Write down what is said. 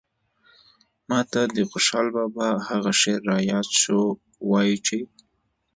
ماته د خوشال بابا هغه شعر راياد شو وايي چې